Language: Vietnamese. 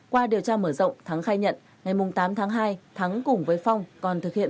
qua điều tra mở rộng thắng khai nhận ngày tám tháng hai thắng cùng với phong còn thực hiện